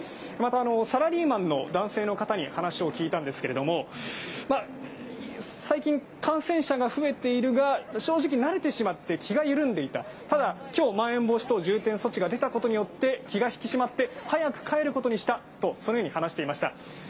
また、サラリーマンの男性の方に話を聞いたんですけれども最近、感染者が増えているが、正直、慣れてしまって気が緩んでただ、きょうまん延防止等重点措置が出たことによって気が引き締まって、早く帰ることにしたとそのように話していました。